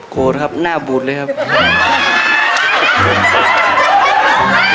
ครับหน้าบูดเลยครับ